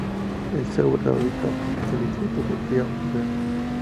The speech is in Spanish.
En São Bernardo do Campo, el distrito de Riacho Grande.